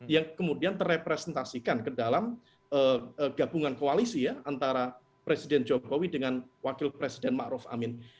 yang kemudian terrepresentasikan ke dalam gabungan koalisi ya antara presiden jokowi dengan wakil presiden ⁇ maruf ⁇ amin